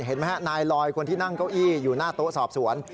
เห็นไหมฮะนายลอยคนที่นั่งเก้าอี้อยู่หน้าโต๊ะสอบสวน